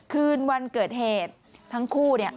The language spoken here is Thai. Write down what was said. คืนวันเกิดเหตุทั้งคู่เนี่ย